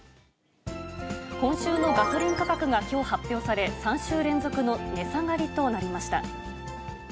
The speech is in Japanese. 今週のガソリン価格がきょう発表され、３週連続の値下がりとなりました。